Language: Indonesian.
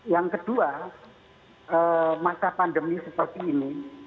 yang kedua masa pandemi seperti ini